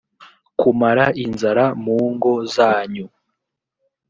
kumara inzara mu ngo zanyu